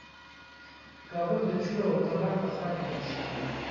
کابل د چور او تالان په ښار بدل شوی وو.